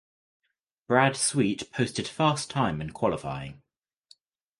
Brad Sweet posted fast time in qualifying.